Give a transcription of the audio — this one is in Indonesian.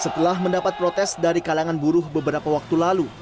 setelah mendapat protes dari kalangan buruh beberapa waktu lalu